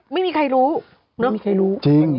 ไม่มีใครรู้